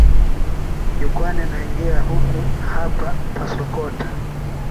Jukwani naingia, huku hapa pasokota,